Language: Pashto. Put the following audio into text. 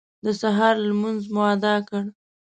د سهار لمونځ مو اداء کړ.